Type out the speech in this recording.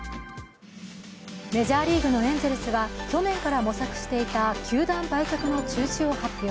メジャーリーグのエンゼルスは去年から模索していた球団売却の中止を発表。